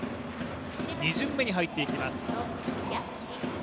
２巡目に入っていきます。